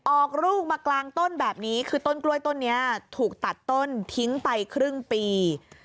ออกลูกมากลางต้นแบบนี้คือต้นกล้วยต้นนี้ถูกตัดต้นทิ้งไปครึ่งปี